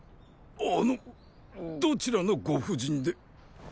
あのどちらの御婦人で？